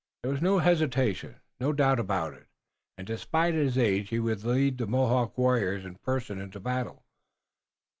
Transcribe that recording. There was no hesitation, no doubt about him, and despite his age he would lead the Mohawk warriors in person into battle.